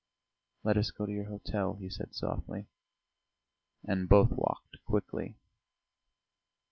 "Let us go to your hotel," he said softly. And both walked quickly.